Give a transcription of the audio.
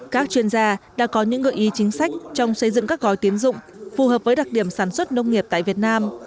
các chuyên gia đã có những gợi ý chính sách trong xây dựng các gói tiến dụng phù hợp với đặc điểm sản xuất nông nghiệp tại việt nam